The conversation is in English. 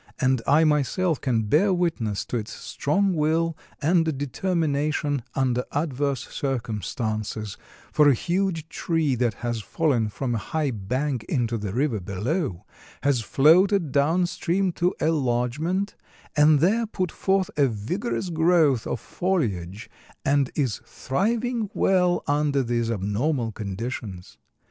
and I myself can bear witness to its strong will and determination under adverse circumstances, for a huge tree that has fallen from a high bank into the river below, has floated down stream to a lodgment, and there put forth a vigorous growth of foliage, and is thriving well under these abnormal conditions.